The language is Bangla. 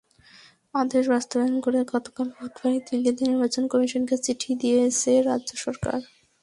আদেশ বাস্তবায়ন করে গতকাল বুধবারই দিল্লিতে নির্বাচন কমিশনকে চিঠি দিয়েছে রাজ্য সরকার।